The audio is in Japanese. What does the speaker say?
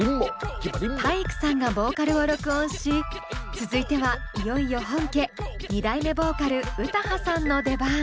体育さんがボーカルを録音し続いてはいよいよ本家２代目ボーカル詩羽さんの出番。